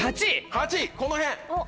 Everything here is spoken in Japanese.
８位この辺。